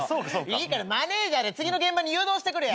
いいからマネージャーで次の現場に誘導してくれや。